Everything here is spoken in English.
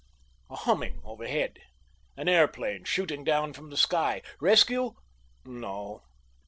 A humming overhead. An airplane shooting down from the sky. Rescue? No.